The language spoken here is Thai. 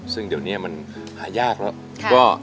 ซึ่งเดี๋ยวนี้มันาหยากละ